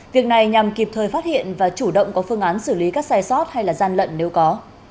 việc này nhằm kịp thời phát hiện và chủ động có phương án xử lý các sai sót hay gian lận nếu có